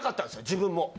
自分も。